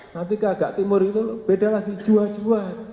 nanti kagak timur itu beda lagi jua jua